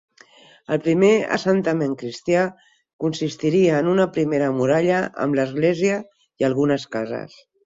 El primer assentament cristià consistiria en una primera muralla amb l'església i algunes cases.